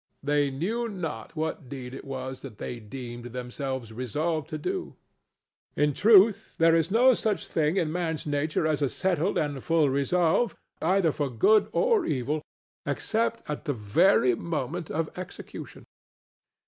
They knew not what deed it was that they deemed themselves resolved to do. In truth, there is no such thing in man's nature as a settled and full resolve, either for good or evil, except at the very moment of execution.